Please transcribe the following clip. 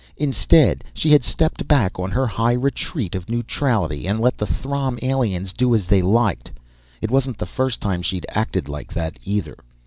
Instead, she had stepped back on her high retreat of neutrality, and let the Throm aliens do as they liked. It wasn't the first time she'd acted like that, either.